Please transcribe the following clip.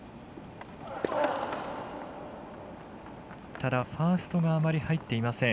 ただ、ファーストがあまり入っていません。